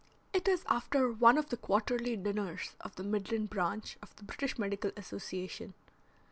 It is after one of the quarterly dinners of the Midland Branch of the British Medical Association.